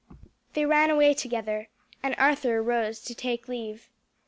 They ran away together, and Arthur rose to take leave.